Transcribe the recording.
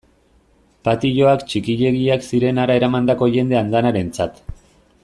Patioak txikiegiak ziren hara eramandako jende andanarentzat.